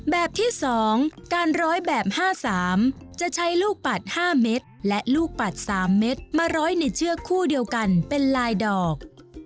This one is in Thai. แบบที่๒การร้อยแบบ๕๓จะใช้ลูกปัด๕เม็ดและลูกปัด๓เม็ดมาร้อยในเชือกคู่เดียวกันเป็นลายดอก